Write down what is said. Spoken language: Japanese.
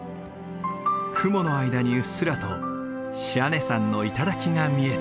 雲の間にうっすらと白根山の頂が見えた。